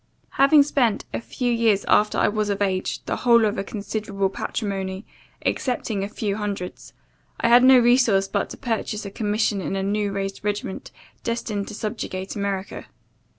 Having spent, a few years after I was of age, [the whole of] a considerable patrimony, excepting a few hundreds, I had no resource but to purchase a commission in a new raised regiment, destined to subjugate America.